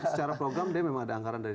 secara program dia memang ada anggaran dari